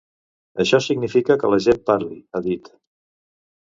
Això significa que la gent parli, ha dit.